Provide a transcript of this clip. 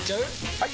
・はい！